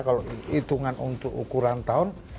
kalau hitungan untuk ukuran tahun